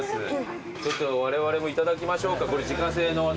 ちょっとわれわれもいただきましょうか。